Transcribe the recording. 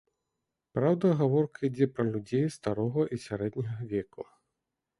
Праўда, гаворка ідзе пра людзей старога і сярэдняга веку.